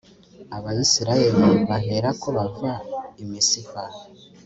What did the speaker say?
abayisraheli baherako bava i misipa